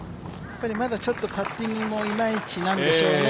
まだパッティングもいまいちなんでしょうね